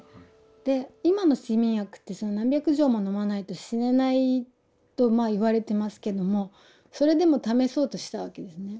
で今の睡眠薬って何百錠も飲まないと死ねないとまあ言われてますけどもそれでも試そうとしたわけですね。